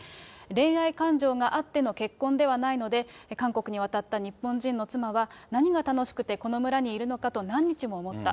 恋愛感情があっての結婚ではないので、韓国に渡った日本人の妻は、何が楽しくてこの村にいるのかと何日も思った。